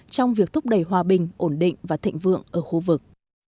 trong việc thúc đẩy hòa bình ổn định và thịnh vượng ở khu vực